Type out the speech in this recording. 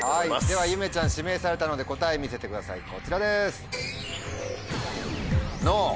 ではゆめちゃん指名されたので答え見せてくださいこちらです。